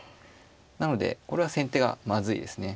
なのでこれは先手がまずいですね。